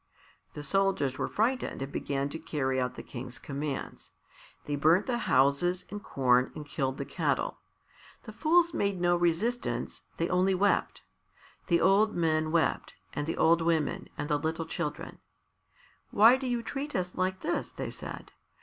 The soldiers were frightened and began to carry out the King's commands. They burnt the houses and corn and killed the cattle. The fools made no resistance, they only wept. The old men wept and the old women and the little children. "Why do you treat us like this?" they said.